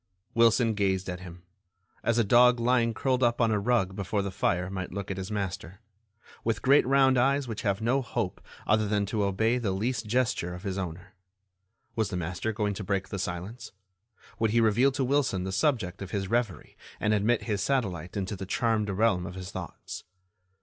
Wilson gazed at him, as a dog lying curled up on a rug before the fire might look at his master, with great round eyes which have no hope other than to obey the least gesture of his owner. Was the master going to break the silence? Would he reveal to Wilson the subject of his reverie and admit his satellite into the charmed realm of his thoughts?